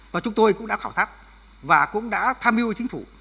và chúng tôi cũng đã khảo sát và cũng đã tham mưu cho chính phủ